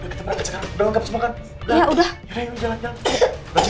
udah kita berangkat sekarang udah lengkap semua kan